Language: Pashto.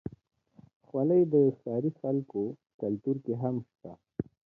خولۍ د ښاري خلکو کلتور کې هم شته.